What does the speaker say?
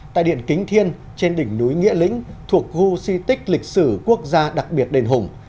tại điện kính thiên trên đỉnh núi nghĩa lĩnh thuộc khu di tích lịch sử quốc gia đặc biệt đền hùng